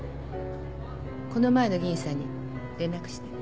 この前の議員さんに連絡して。